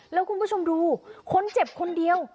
แล้วคุณผู้ชมดูคนเจ็บคนเดียว